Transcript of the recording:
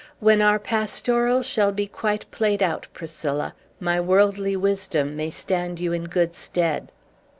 When our pastoral shall be quite played out, Priscilla, my worldly wisdom may stand you in good stead."